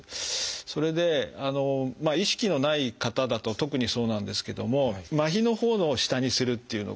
それで意識のない方だと特にそうなんですけどもまひのほうを下にするっていうのこれは逆ですね。